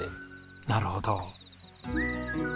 なるほど。